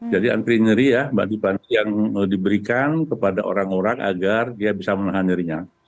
jadi anti nyeri ya yang diberikan kepada orang orang agar dia bisa menahan nyerinya